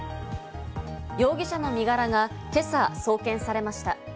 容疑者の身柄が今朝送検されました。